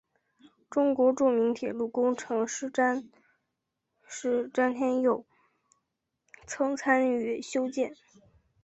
中国著名铁路工程师詹天佑曾参与修建。